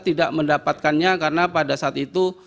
tidak mendapatkannya karena pada saat itu